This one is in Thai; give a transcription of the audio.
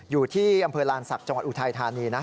อยู่ที่อำเภอลานศักดิ์จังหวัดอุทัยธานีนะ